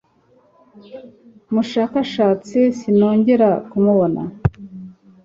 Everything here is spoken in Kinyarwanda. mushakashatse sinongera kumubona